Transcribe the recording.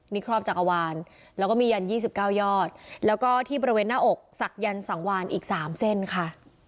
มีครอบจังหวานแล้วก็มียันยี่สิบเก้ายอดแล้วก็ที่ประเวทหน้าอกศักดิ์ยันสังวานอีกสามเส้นค่ะ